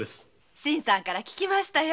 新さんから聞きましたよ。